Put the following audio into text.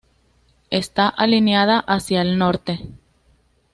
Está alineada hacia el norte.